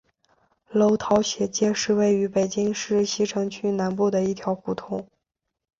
楼桃斜街是位于北京市西城区南部的一条胡同。